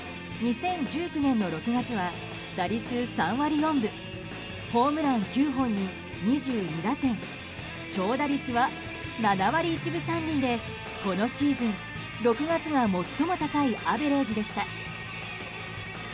２０１９年の６月は打率３割４分ホームラン９本に２２打点長打率は７割１分３厘でこのシーズン、６月は最も高いアベレージでした。